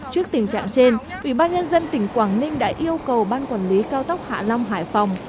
trước tình trạng trên ủy ban nhân dân tỉnh quảng ninh đã yêu cầu ban quản lý cao tốc hạ long hải phòng